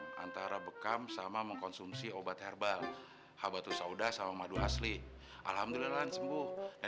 gini aja gimana kalau itu ayam ditipin aja sama kita